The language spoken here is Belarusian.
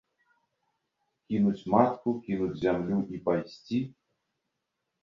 Кінуць матку, кінуць зямлю і пайсці?!